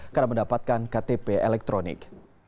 karena mendapatkan ktp elektronik